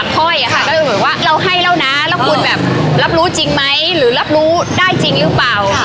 ห้อยค่ะก็คือเหมือนว่าเราให้แล้วนะแล้วคุณแบบรับรู้จริงไหมหรือรับรู้ได้จริงหรือเปล่า